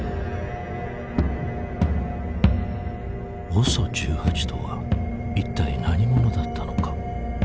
ＯＳＯ１８とは一体何者だったのか。